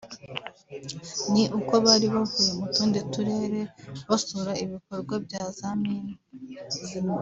ni uko bari bavuye mu tundi turere basura ibikorwa bya za mine